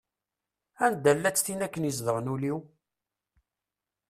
Anda-llatt tin akken i izedɣen ul-iw?